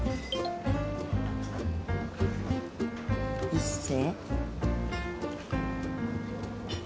一星？